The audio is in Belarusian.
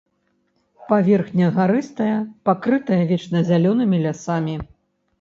Паверхня гарыстая, пакрытая вечназялёнымі лясамі.